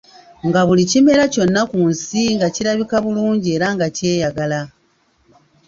Nga buli kimera kyonna ku nsi nga kirabika bulungi era nga kyeyagala.